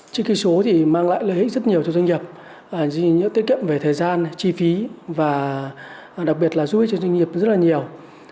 chữ ký số thì mang lại lợi ích rất nhiều cho doanh nghiệp những tiết kiệm về thời gian chi phí và đặc biệt là giúp ích cho doanh nghiệp rất là nhiều